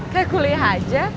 kayak kuliah aja